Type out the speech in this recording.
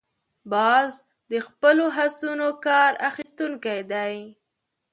باز د خپلو حسونو کار اخیستونکی دی